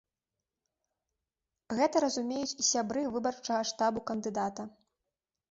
Гэта разумеюць і сябры выбарчага штабу кандыдата.